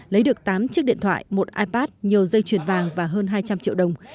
lấy được tám chiếc điện thoại một ipad nhiều dây chuyền vàng và hơn hai trăm linh triệu đồng